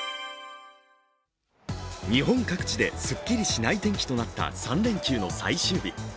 日本各地ですっきりしない天気となった３連休の最終日。